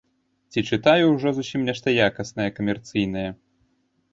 Ці чытаю ўжо зусім нешта якаснае камерцыйнае.